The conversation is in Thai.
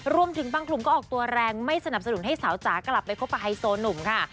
รวมถึงบางกลุ่มก็ออกตัวแรงไม่สนับสนุนให้สาวจ๋ากลับไปคบกับไฮโซหนุ่มค่ะ